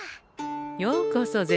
ようこそ銭